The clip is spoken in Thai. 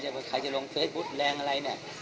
ว่าใครจะลงเฟซบุ๊คแรงอะไรเนี่ย